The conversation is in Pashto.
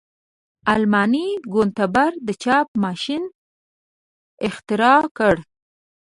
آلماني ګونتبر د چاپ ماشین اختراع کړ.